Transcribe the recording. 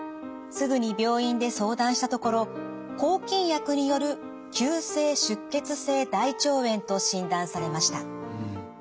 すぐに病院で相談したところ抗菌薬による急性出血性大腸炎と診断されました。